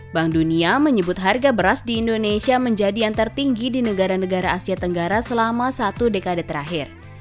bank dunia menyebut harga beras di indonesia menjadi yang tertinggi di negara negara asia tenggara selama satu dekade terakhir